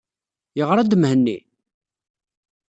Yeɣra-d Mhenni?